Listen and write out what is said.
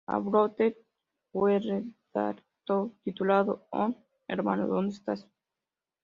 O Brother, Where Bart Thou?, titulado, "Oh hermano, ¿Donde estás?